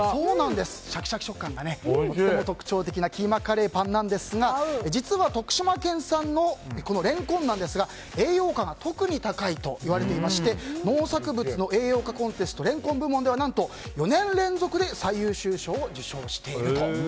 シャキシャキ食感が特徴なキーマカレーパンですが実は徳島県産のレンコンなんですが栄養価が特に高いといわれていまして農作物の栄養価コンテストレンコン部門では何と４年連続で最優秀賞を受賞していると。